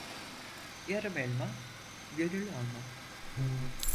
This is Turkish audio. Yarım elma, gönül alma.